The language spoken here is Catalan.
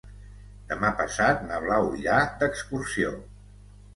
Demà passat na Blau irà d'excursió.